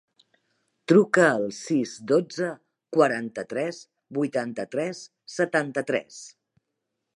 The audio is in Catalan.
Truca al sis, dotze, quaranta-tres, vuitanta-tres, setanta-tres.